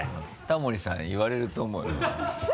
タモリさん言われると思うよ。